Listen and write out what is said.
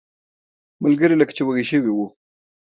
ملګري لکه چې وږي شوي وو.